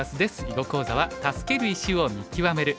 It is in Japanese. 囲碁講座は「助ける石を見極める」。